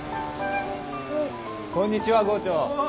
こんにちは郷長。